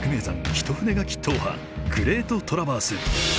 一筆書き踏破「グレートトラバース」。